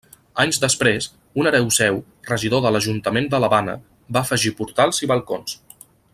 Anys després, un hereu seu, regidor de l'Ajuntament de l'Havana, va afegir portals i balcons.